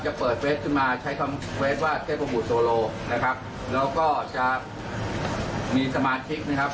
เปิดเฟสขึ้นมาใช้คำเฟสว่าเทพบุตรโซโลนะครับแล้วก็จะมีสมาชิกนะครับ